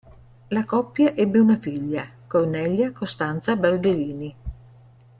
La coppia ebbe una figlia, Cornelia Costanza Barberini.